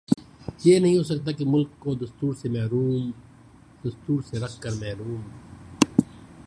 یہ نہیں ہو سکتا کہ ملک کو دستور سےرکھ کر محروم